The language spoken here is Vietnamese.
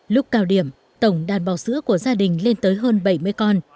lúc cao điểm tổng đàn bò sữa của gia đình lên tới hơn bảy mươi con